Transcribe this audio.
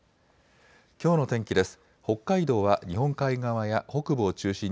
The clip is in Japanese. きょうの天気です。